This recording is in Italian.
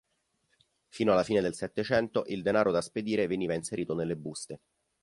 Fino alla fine del Settecento il denaro da spedire veniva inserito nelle buste.